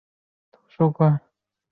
林肯当场暴毙。